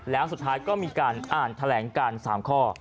แล้วสุดท้ายก็มีการอ่านแถลงการ๓ข้อ